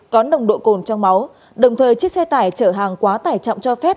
có nồng độ cồn trong máu đồng thời chiếc xe tải chở hàng quá tải trọng cho phép